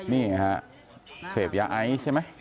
นี่ค่ะเสพยาไอใช่ไหม